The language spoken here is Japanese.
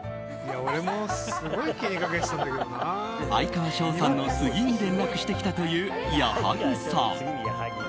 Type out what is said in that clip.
哀川翔さんの次に連絡してきたという矢作さん。